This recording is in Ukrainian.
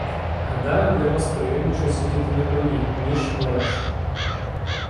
Гадаю, для вас приємніше сидіти на коні, ніж в арешті.